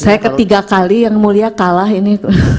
saya ketiga kali yang mulia kalah ini